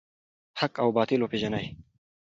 حق او باطل وپیژنئ.